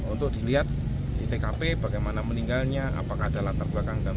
untuk dilihat di tkp bagaimana meninggalnya apakah ada latar belakang dan